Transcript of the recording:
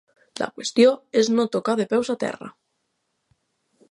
La qüestió és no tocar de peus a terra!